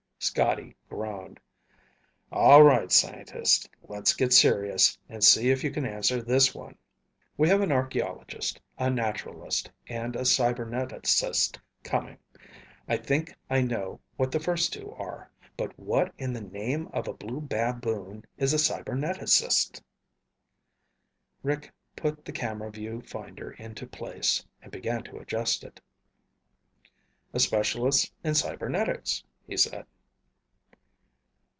Scotty groaned. "All right, scientist. Let's get serious and see if you can answer this one. We have an archeologist, a naturalist, and a cyberneticist coming. I think I know what the first two are, but what in the name of a blue baboon is a cyberneticist?" Rick put the camera view finder into place and began to adjust it. "A specialist in cybernetics," he said.